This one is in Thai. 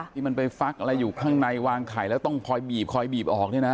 ที่มันไปฟักอะไรอยู่ข้างในวางไข่แล้วต้องคอยบีบคอยบีบออกเนี่ยนะ